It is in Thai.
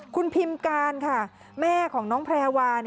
คุณพิมการค่ะแม่ของน้องแพรวา